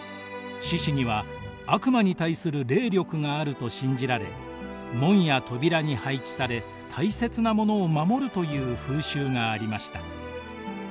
獅子には悪魔に対する霊力があると信じられ門や扉に配置され大切なものを守るという風習がありました。